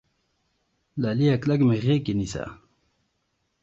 لاليه کلک مې غېږ کې نيسه